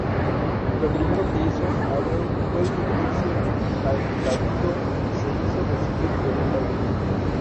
Lo primero que hizo Abreu fue dirigirse al Cabildo y se hizo recibir violentamente.